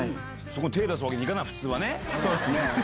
そこ、手出すわけにいかない、そうですね。